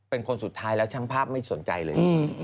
เป็นคนสุดท้ายแล้วช่างภาพไม่สนใจเลย